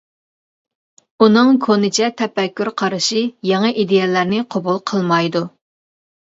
ئۇنىڭ كونىچە تەپەككۇر قارىشى يېڭى ئىدىيەلەرنى قوبۇل قىلمايدۇ.